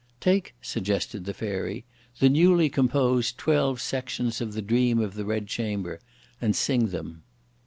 "Take," suggested the Fairy, "the newly composed Twelve Sections of the Dream of the Red Chamber, and sing them."